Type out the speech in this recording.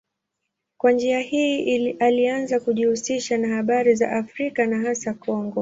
Kwa njia hii alianza kujihusisha na habari za Afrika na hasa Kongo.